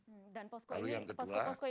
lalu yang kedua mendekati